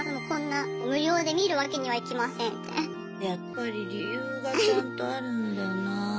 やっぱり理由がちゃんとあるんだな。